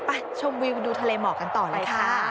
ชมวิวดูทะเลหมอกกันต่อเลยค่ะ